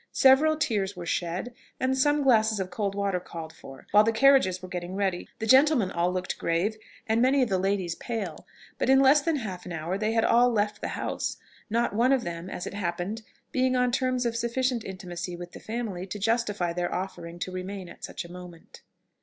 Several tears were shed, and some glasses of cold water called for, while the carriages were getting ready; the gentlemen all looked grave, and many of the ladies pale; but in less than half an hour they had all left the house, not one of them, as it happened, being on terms of sufficient intimacy with the family to justify their offering to remain at such a moment.